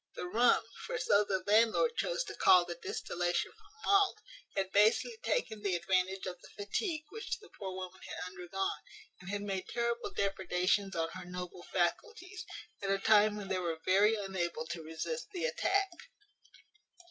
The rum (for so the landlord chose to call the distillation from malt) had basely taken the advantage of the fatigue which the poor woman had undergone, and had made terrible depredations on her noble faculties, at a time when they were very unable to resist the attack.